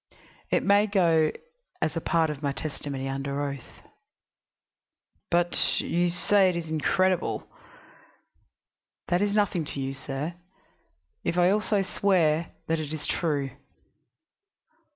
It may go as a part of my testimony under oath." "But you say it is incredible." "That is nothing to you, sir, if I also swear that it is true."